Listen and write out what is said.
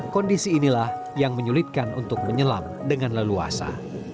kondisi inilah yang menyulitkan untuk menyelam dengan leluasa